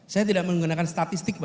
saya tidak menggunakan statistik